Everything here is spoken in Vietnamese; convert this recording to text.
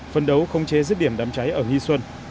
phân đấu không chế rứt điểm đám cháy ở nghi xuân